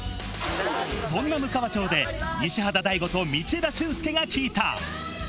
そんなむかわ町で、西畑大吾と道枝駿佑が聞いた。